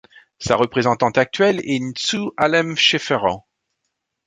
Sa représentante actuelle est Ntsuh Alem Sheferaw.